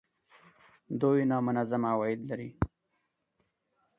دوی نامنظم عواید لري